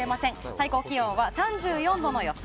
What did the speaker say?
最高気温は３４度の予想。